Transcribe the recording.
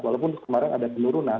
walaupun kemarin ada penurunan